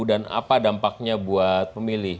dan apa dampaknya buat pemilih